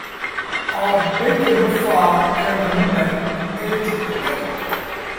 A bit above par at the moment, as it were?